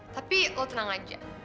tapi lo tenang aja